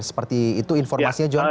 seperti itu informasinya john